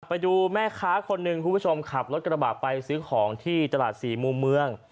ไปดูแม่ค้าคนหนึ่งคุณผู้ชมขับรถกระบะไปซื้อของที่ตลาดสี่มุมเมือง